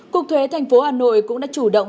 cục thuế thành phố hà nội cũng đã chủ động